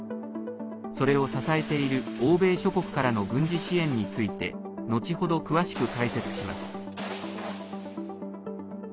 それを支えている欧米諸国からの軍事支援について後ほど詳しく解説します。